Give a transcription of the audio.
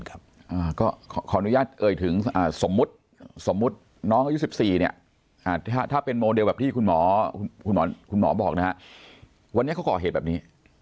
ก็ขออนุญาตเอ่ยถึงสมมุติสมมุติน้องอายุ๑๔เนี่ยถ้าเป็นโมเดลแบบที่คุณหมอคุณหมอบอกนะฮะวันนี้เขาก่อเหตุแบบนี้